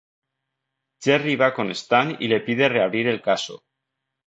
Jerry va con Stan y le pide reabrir el caso.